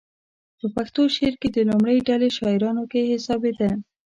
په پښتو شعر کې د لومړۍ ډلې شاعرانو کې حسابېده.